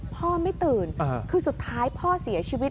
ไม่ตื่นคือสุดท้ายพ่อเสียชีวิต